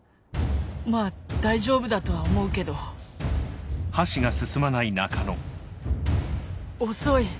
まぁ大丈夫だとは思うけど遅い！